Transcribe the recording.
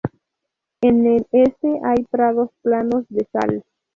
En el este hay prados planos de sal.